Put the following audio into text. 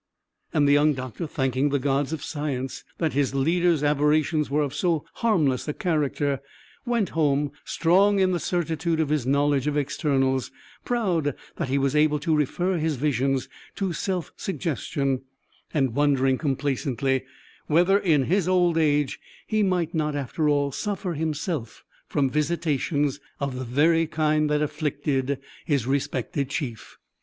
And the young doctor, thanking the gods of science that his leader's aberrations were of so harmless a character, went home strong in the certitude of his knowledge of externals, proud that he was able to refer his visions to self suggestion, and wondering complaisantly whether in his old age he might not after all suffer himself from visitations of the very kind that afflicted his respected chief.